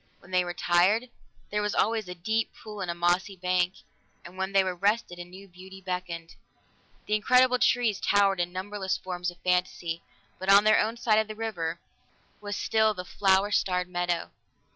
When they were tired, there was always a deep pool and a mossy bank; and when they were rested, a new beauty beckoned. The incredible trees towered in numberless forms of fantasy, but on their own side of the river was still the flower starred meadow.